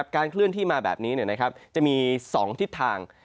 เคลื่อนที่มาแบบนี้จะมี๒ทิศทาง